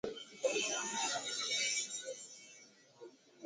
Kupungua kwa kiwango cha maziwa ya mnyama aliyeambukizwa